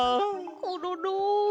コロロ。